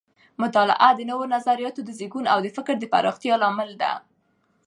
مطالعه د نوو نظریاتو د زیږون او د فکر د پراختیا لامل ده.